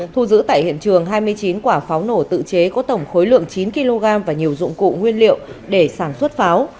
thu giữ tại hiện trường hai mươi chín quả pháo nổ tự chế có tổng khối lượng chín kg và nhiều dụng cụ nguyên liệu để sản xuất pháo